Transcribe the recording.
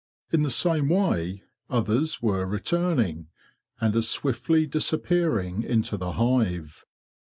In the same way others were re turning, and as swiftly disappearing into the hive.